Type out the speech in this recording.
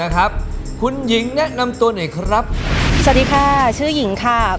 สวัสดีค่ะชื่อหญิงค่ะ